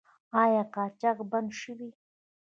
آیا قاچاق بند شوی؟